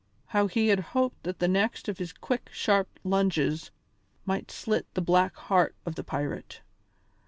How he had hoped that the next of his quick, sharp lunges might slit the black heart of the pirate!